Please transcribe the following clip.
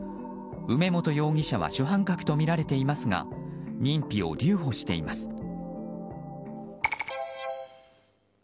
梅本容疑者は主犯格とみられていますが認否を留保しています。